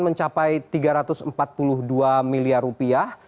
mencapai tiga ratus empat puluh dua miliar rupiah